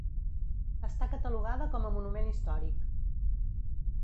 Està catalogada com a monument històric.